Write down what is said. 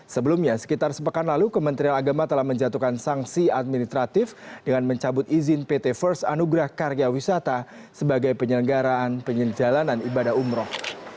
sebelumnya sekitar sepekan lalu kementerian agama telah menjatuhkan sanksi administratif dengan mencabut izin pt first anugrah karya wisata sebagai penyelenggaraan penyejalanan ibadah umroh